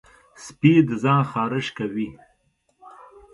سپي د ځان خارش کوي.